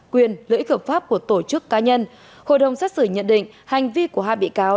quyền lợi ích hợp pháp của tổ chức cá nhân hội đồng xét xử nhận định hành vi của hai bị cáo